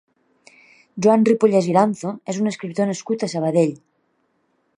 Joan Ripollès Iranzo és un escriptor nascut a Sabadell.